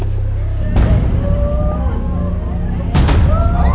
ถูกไม่รู้